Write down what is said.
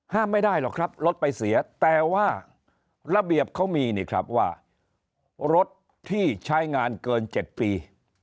ไม่ได้หรอกครับรถไปเสียแต่ว่าระเบียบเขามีนี่ครับว่ารถที่ใช้งานเกิน๗ปี